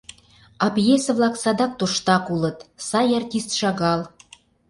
А пьесе-влак садак тоштак улыт, сай артист шагал.